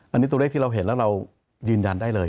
อันนี้ตัวเลขที่เราเห็นแล้วเรายืนยันได้เลย